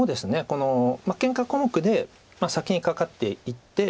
このけんか小目で先にカカっていって。